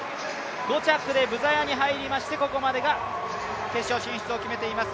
５着でブザヤニ入りまして、ここまでが決勝進出を決めています。